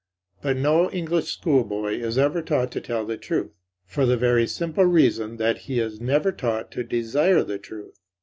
But no English school boy is ever taught to tell the truth, for the very simple reason that he is never taught to desire the truth.